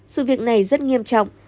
sự việc này rất nghiêm trọng